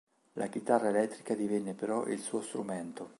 La chitarra elettrica divenne però il suo strumento.